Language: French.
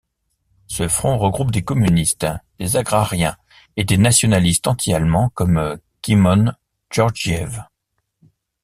Ce Front regroupe des communistes, des agrariens et des nationalistes anti-allemands, comme Kimon Georgiev.